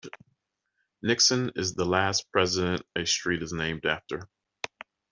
Nixon is the last President a street is named after.